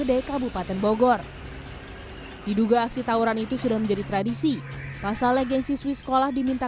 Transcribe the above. dekabupaten bogor diduga aksi tawuran itu sudah menjadi tradisi pasal legensi swiss sekolah diminta